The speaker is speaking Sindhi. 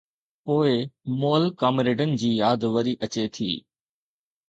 پوءِ مئل ڪامريڊن جي ياد وري اچي ٿي.